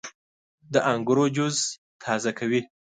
• د انګورو جوس تازه کوي.